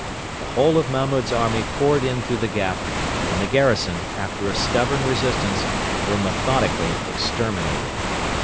The whole of Mahmud's army poured in through the gap, and the garrison, after a stubborn resistance, were methodically exterminated.